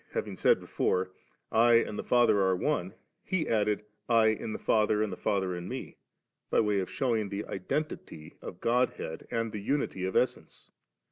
139, 14a said before, *I and the Father are One/ He added, 'I in the Father and the Father in Me,* ' by way of shewing the identity^ of God head and the unity of Essence.